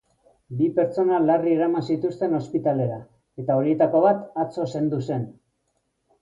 Bi pertsona larri eraman zituzten ospitalera, eta horietako bat atzo zendu zen.